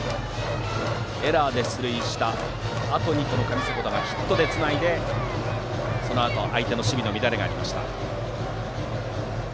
エラーで出塁したあとにこの上迫田がヒットでつないで、そのあと相手の守備の乱れがありました。